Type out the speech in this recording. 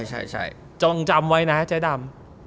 จังจำไว้นะเจ๊ดำ